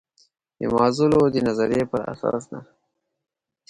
د مازلو د نظریې پر اساس ده.